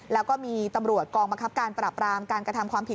แล้วก็มีตำรวจกองบังคับการปรับรามการกระทำความผิด